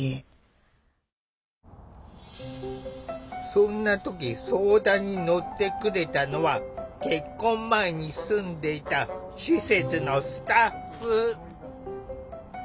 そんな時相談に乗ってくれたのは結婚前に住んでいた施設のスタッフ。